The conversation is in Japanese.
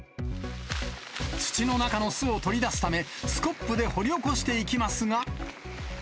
土の中の巣を取り出すため、スコップで掘り起こしていきますが。